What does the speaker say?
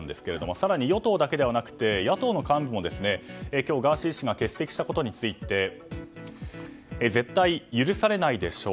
更に、与党だけではなくて野党の幹部も今日、ガーシー氏が欠席したことについて絶対許されないでしょう。